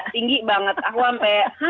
tinggi banget aku sampai